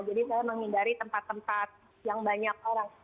jadi saya menghindari tempat tempat yang banyak orang